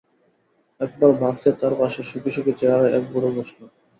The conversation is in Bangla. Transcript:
একবার বাসে তার পাশে সুখী সুখী চেহারার এক বুড়ো বসল।